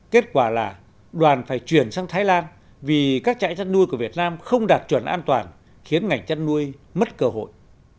kết quả là đoàn phải chuyển sang thái lan vì các trại chăn nuôi của việt nam không đạt chuẩn an toàn khiến ngành chăn nuôi mất cơ hội